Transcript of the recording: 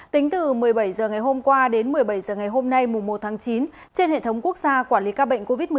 tính từ một mươi bảy h ngày hôm qua đến một mươi bảy h ngày hôm nay mùa một tháng chín trên hệ thống quốc gia quản lý ca bệnh covid một mươi chín